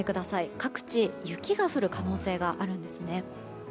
各地、雪が降る可能性があるんですね。